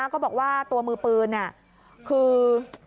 ก็บอกว่าตัวมือปืนคือ